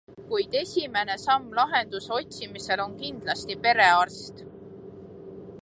Kuid esimene samm lahenduse otsimisel on kindlasti perearst.